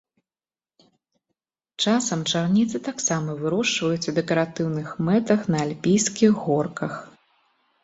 Часам чарніцы таксама вырошчваюць у дэкаратыўных мэтах на альпійскіх горках.